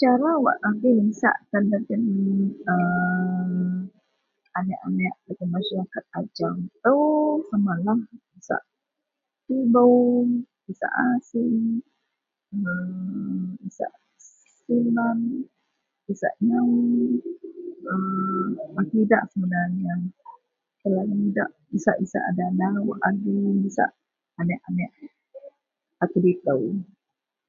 Cara wak agei nisak tan dagen ..aaa.. anek-anek dagen masarakat ajau ito samalah isak tibou, isak asin isak siban isak lim? [unintelligible] agei idak sebenarnya, telalu idak isak-isak a dana wak agei nisak anek keditou.